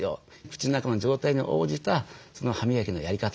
口の中の状態に応じた歯磨きのやり方